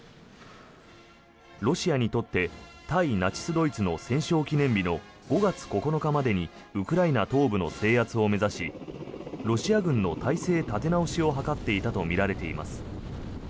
ロシアにとって対ナチス・ドイツの戦勝記念日の５月９日までにウクライナ東部の制圧を目指しロシア軍の態勢立て直しを図っていたとみられています。